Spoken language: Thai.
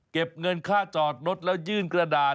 เก็บเงินค่าจอดรถแล้วยื่นกระดาษ